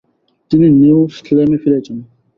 তিনি নিউ স্লেমে ফিরে যান।